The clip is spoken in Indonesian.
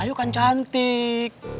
ayu kan cantik